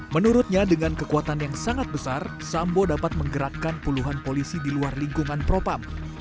menurutnya dengan kekuatan yang sangat besar sambo dapat menggerakkan puluhan polisi di luar lingkungan propam